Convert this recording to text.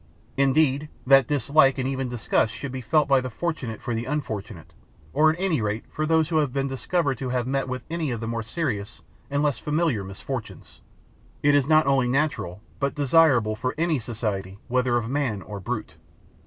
Indeed, that dislike and even disgust should be felt by the fortunate for the unfortunate, or at any rate for those who have been discovered to have met with any of the more serious and less familiar misfortunes, is not only natural, but desirable for any society, whether of man or brute.